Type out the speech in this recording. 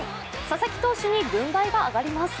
佐々木投手に軍配が上がります。